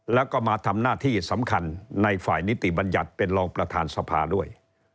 แล้วก็มาทำหน้าที่สำคัญในฝ่ายนิติบัญญัติเป็นรองประธานสภาด้วย